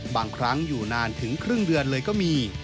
บางครั้งอยู่นานถึงครึ่งเดือนเลยก็มี